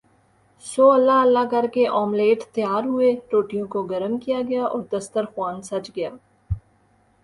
سو اللہ اللہ کر کے آملیٹ تیار ہوئے روٹیوں کو گرم کیا گیااور دستر خوان سج گیا